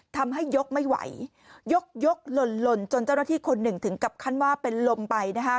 ทำให้ยกไม่ไหวยกลนจนเจ้าหน้าที่คนหนึ่งถึงกับคันว่าเป็นลมไป